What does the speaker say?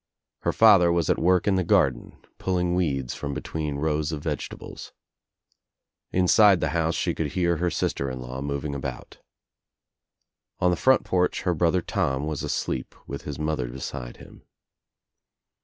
Her father was at work in the garden, pulling weeds from between rows of vegetables. Inside the house she could hear her sister in law moving about. On the front porch her brother Tom was asleep with his mother beside him.